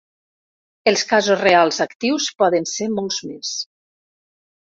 Els casos reals actius poden ser molts més.